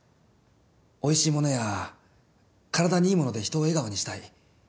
おいしいものや体にいいもので人を笑顔にしたい。